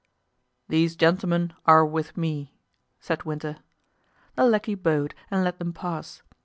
"These gentlemen are with me," said Winter. The lackey bowed and let them pass.